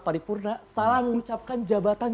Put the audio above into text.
pak dipurna salam ucapkan jabatan